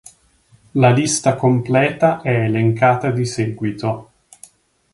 La lista completa è elencata di seguito.